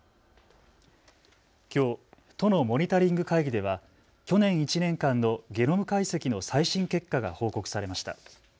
きょう都のモニタリング会議では去年１年間のゲノム解析の最新結果が報告されました。